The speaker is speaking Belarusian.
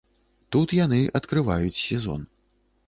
Тут яны адкрываюць сезон.